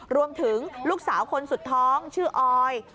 ลูกสาวคนสุดท้องชื่อออย